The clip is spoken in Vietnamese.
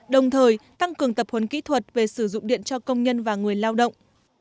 đồng thời tăng cường tập huấn kỹ thuật về sử dụng điện cho công nhân và người lao động